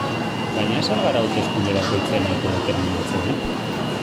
Baina ez al gara hauteskunde bakoitzean autodeterminatzen?